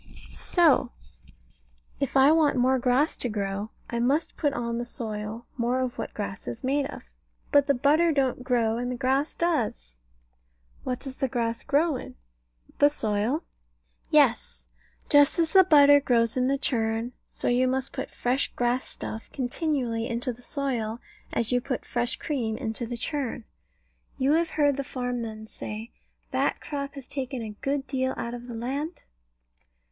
So, if I want more grass to grow, I must put on the soil more of what grass is made of. But the butter don't grow, and the grass does. What does the grass grow in? The soil. Yes. Just as the butter grows in the churn. So you must put fresh grass stuff continually into the soil, as you put fresh cream into the churn. You have heard the farm men say, "That crop has taken a good deal out of the land"?